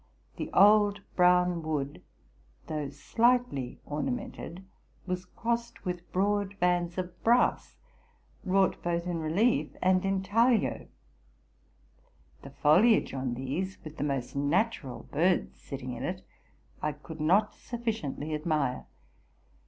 'The old brown wood, though slightly ornamented, was crossed with broad bands of brass wrought both in relief and intaglio. The foliage on these, with the most natural birds sitting in it, I could not sufficiently admire.